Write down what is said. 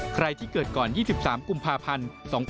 ใครที่เกิดก่อน๒๓กุมภาพันธ์๒๕๖๒